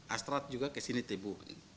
astrat juga ke sini tebu